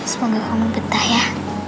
semoga kamu betah ya